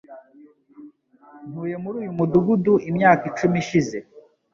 Ntuye muri uyu mudugudu imyaka icumi ishize.